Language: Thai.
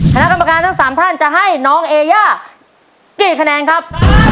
คณะกรรมการทั้ง๓ท่านจะให้น้องเอย่ากี่คะแนนครับ